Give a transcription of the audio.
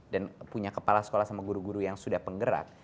dan punya kepala sekolah sama guru guru yang sudah penggerak